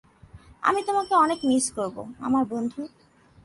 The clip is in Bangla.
আমি তোমাকে অনেক মিস করব, আমার বন্ধু।